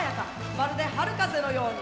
まるで春風のように。